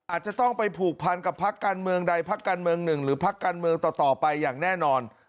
อาจจะต้องไปผูกพันกับพักการเมืองใดพักการเมืองหนึ่งหรือพักการเมืองต่อไปอย่างแน่นอน